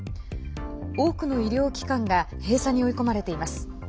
多くの医療機関が閉鎖に追い込まれています。